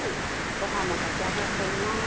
ご飯も炊き上がっています。